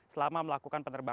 selama melakukan penelitian